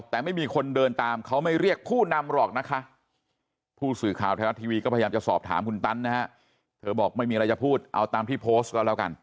เธอบอกไม่มีอะไรจะพูดเอาตามที่โพสต์ก็แล้วกัน